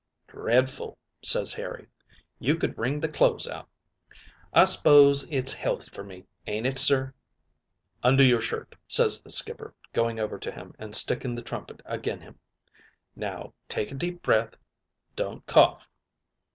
"'Dredful,' ses Harry. 'You could wring the clo'es out. I s'pose it's healthy for me, ain't it, sir?' "'Undo your shirt,' ses the skipper, going over to him, an' sticking the trumpet agin him. 'Now take a deep breath. Don't cough.'